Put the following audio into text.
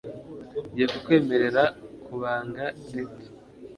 Ngiye kukwemerera kubanga rito.